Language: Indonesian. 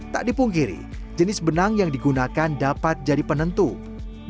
tak dipungkiri jenis benang yang digunakan dapat jadi percaya kepada anak anak yang berusia dua puluh tahun ini